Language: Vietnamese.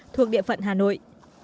thuộc địa phận hà nội